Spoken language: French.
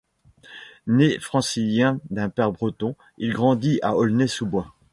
Né francilien d'un père breton, il grandit à Aulnay-sous-Bois.